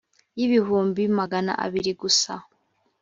y ibihumbi magana abiri gusa